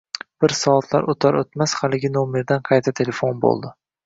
Bir soatlar o'tar o'tmas haligi nomerdan qayta telefon bo'ldi